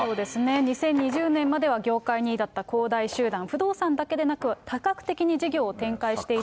２０２０年までは業界２位だった恒大集団、不動産だけでなく、多角的に事業を展開していた。